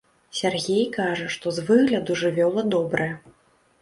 Сяргей кажа, што з выгляду жывёла добрая.